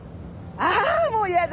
ああもうやだ！